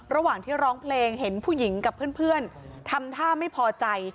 ระหว่างที่ร้องเพลงเห็นผู้หญิงกับเพื่อนทำท่าไม่พอใจ